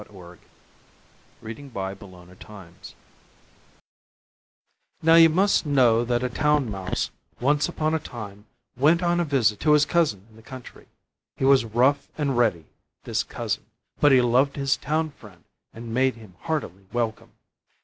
The Town Mouse and the Country Mouse Now you must know that a Town Mouse once upon a time went on a visit to his cousin in the country. He was rough and ready, this cousin, but he loved his town friend and made him heartily welcome.